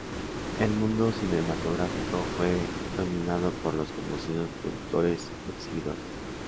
El mundo cinematográfico fue dominado por los conocidos productores-exhibidores.